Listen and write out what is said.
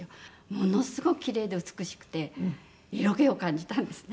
ものすごくキレイで美しくて色気を感じたんですね。